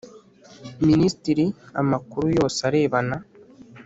Minisitiri amakuru yose arebana